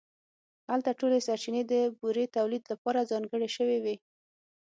هلته ټولې سرچینې د بورې تولید لپاره ځانګړې شوې وې